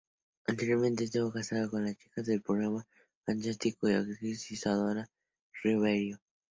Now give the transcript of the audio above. Anteriormente, estuvo casado con la chica del Programa Fantástico y Actriz, Isadora Ribeiro.